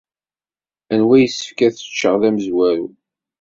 Anwa ay yessefk ad t-ččeɣ d amezwaru?